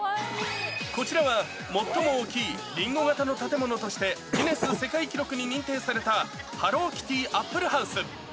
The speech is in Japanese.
こちらは、最も大きいリンゴ型の建物としてギネス世界記録に認定された、ハローキティアップルハウス。